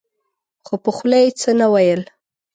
خو په خوله يې څه نه ويل.